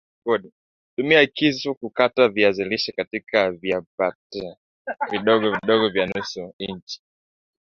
Tumia kisu kukata viazi lishe katika viapande vidogo vidogo vya nusu inchi